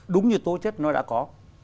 đúng như tố chất nó đã có